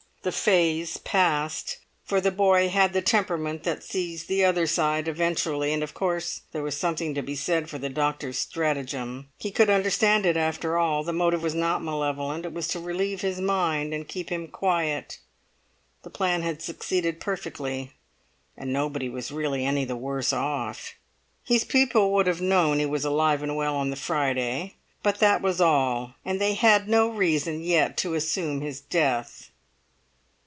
The phase passed, for the boy had the temperament that sees the other side eventually, and of course there was something to be said for the doctor's stratagem. He could understand it, after all; the motive was not malevolent; it was to relieve his mind and keep him quiet. The plan had succeeded perfectly, and nobody was really any the worse off. His people would have known he was alive and well on the Friday; but that was all, and they had no reason yet to assume his death.